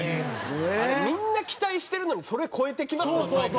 あれみんな期待してるのにそれ超えてきますもん毎回ね。